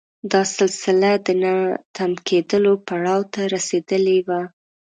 دا سلسله د نه تم کېدلو پړاو ته رسېدلې وه.